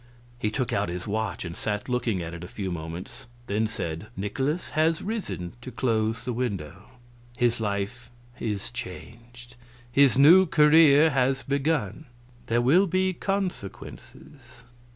He took out his watch and sat looking at it a few moments, then said: "Nikolaus has risen to close the window. His life is changed, his new career has begun. There will be consequences."